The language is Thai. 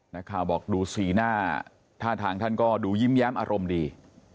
นักข่าวบอกดูสีหน้าท่าทางท่านก็ดูยิ้มแย้มอารมณ์ดี